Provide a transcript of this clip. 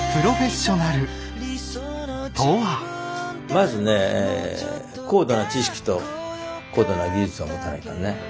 まずね高度な知識と高度な技術を持たないかんね。